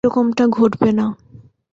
এরকমটা ঘটবে না।